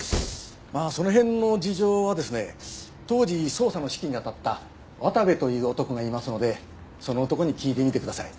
まあその辺の事情はですね当時捜査の指揮に当たった渡部という男がいますのでその男に聞いてみてください。